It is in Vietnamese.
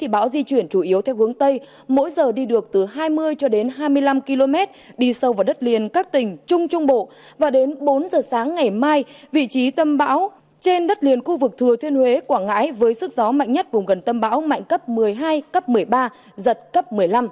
bão noru cơn bão số bốn thì đang tiến sát vào đất liền khu vực thừa thiên huế quảng ngãi với sức gió mạnh nhất vùng gần tâm bão mạnh cấp một mươi hai cấp một mươi ba giật cấp một mươi năm